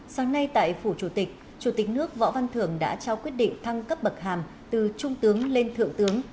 sáng nay tại phủ chủ tịch chủ tịch nước võ văn thưởng đã trao quyết định thăng cấp bậc hàm từ trung tướng lên thượng tướng